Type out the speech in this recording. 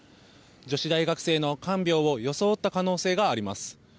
女子大学生の看病を装った可能性があります。